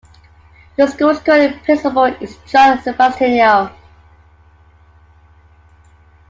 The school's current principal is John Sebastiano.